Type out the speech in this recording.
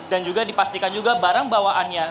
dan juga dipastikan juga barang bawaannya